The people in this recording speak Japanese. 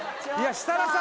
設楽さん